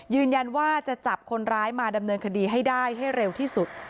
ยืนยันว่าจะจับคนร้ายมาดำเนินคดีให้ได้ให้เร็วที่สุด